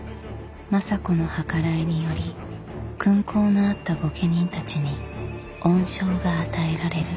政子の計らいにより勲功のあった御家人たちに恩賞が与えられる。